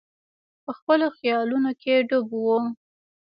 په خپلو خیالونو کې ډوب وو.